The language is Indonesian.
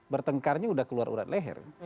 bertengkarnya sudah keluar urat leher